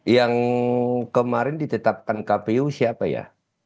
yang kemarin ditetapkan kpu siapa ya